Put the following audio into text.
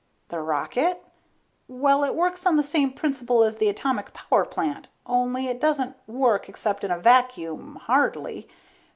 The rocket? Well, it works on the same principle as the atomic power plant, only it doesn't work except in a vacuum, hardly.